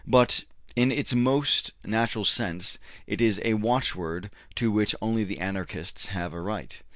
But in its most natural sense it is a watchword to which only the Anarchists have a right.